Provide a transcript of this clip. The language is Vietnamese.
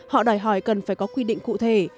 họ đòi hỏi cần phải có quy định cụ thể